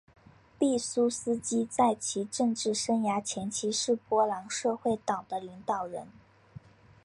毕苏斯基在其政治生涯前期是波兰社会党的领导人。